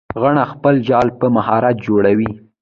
غڼه خپل جال په مهارت جوړوي